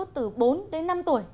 từ bốn đến năm tuổi